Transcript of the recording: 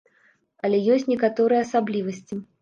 Але ёсць некаторыя асаблівасці.